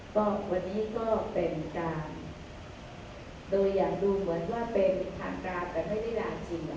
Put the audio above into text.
ก็วันนี้ก็เป็นการโดยอย่างดูเหมือนว่าเป็นทางการแต่ไม่ได้ลาจริง